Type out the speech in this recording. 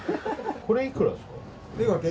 これいくらですか？